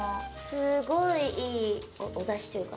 すごいいいおだしというか。